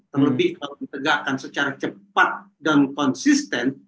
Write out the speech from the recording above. terlebih kalau ditegakkan secara cepat dan konsisten